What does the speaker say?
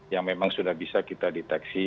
yang memang sudah bisa kita deteksi